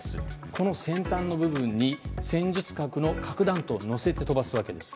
この先端の部分に戦術核の核弾頭を載せて飛ばすわけです。